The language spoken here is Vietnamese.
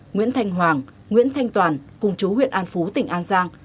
nguyễn thanh hoàng nguyễn thanh toàn cùng chú huyện an phú tỉnh an giang